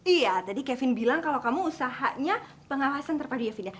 iya tadi kevin bilang kalau kamu usahanya pengawasan terpadu ya fida